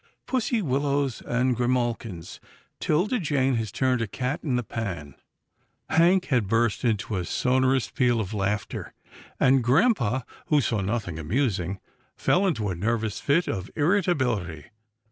" Pussy willows and grimalkins ! 'Tilda Jane has turned a cat in the pan !" Hank had burst into a sonorous peal of laughter, and grampa, who saw nothing amusing, fell into a nervous fit of irritability.